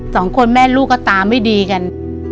สองคนแม่ลูกก็ตาไม่ดีกัน